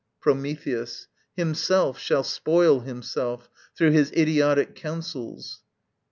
Prometheus. Himself shall spoil himself, Through his idiotic counsels.